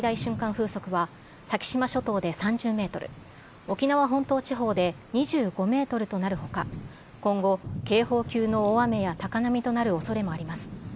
風速は先島諸島で３０メートル、沖縄本島地方で２５メートルとなるほか、今後、警報級の大雨や高波となるおそれもあります。